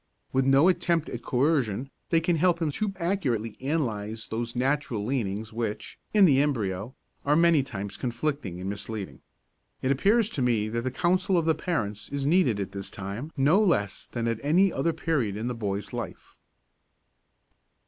With no attempt at coercion they can help him to accurately analyse those natural leanings which, in the embryo, are many times conflicting and misleading. It appears to me that the counsel of the parents is needed at this time no less than at any other period in the boy's life.